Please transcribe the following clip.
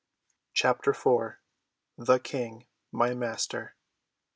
CHAPTER IV "THE KING, MY MASTER!"